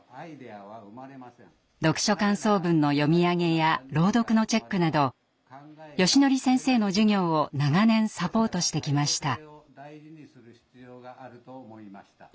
読書感想文の読み上げや朗読のチェックなどよしのり先生の授業を長年サポートしてきました。